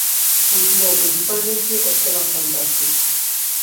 Cultivou principalmente os temas fantásticos.